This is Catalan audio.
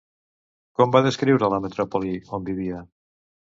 Com va descriure la metròpoli on vivia?